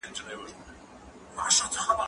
کېدای سي زه منډه ووهم؟